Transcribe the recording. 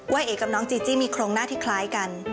เอ๋กับน้องจีจี้มีโครงหน้าที่คล้ายกัน